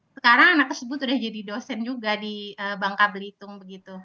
sekarang anak tersebut sudah jadi dosen juga di bangka belitung begitu